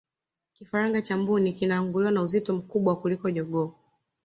kifaranga cha mbuni kinaanguliwa na uzito mkubwa kuliko jogoo